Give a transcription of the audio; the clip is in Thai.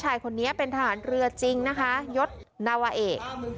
ชายคนนี้เป็นทหารเรือจริงนะคะยศนาวะเอก